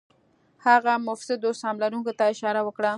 هغه مفسدو سهم لرونکو ته اشاره وکړه.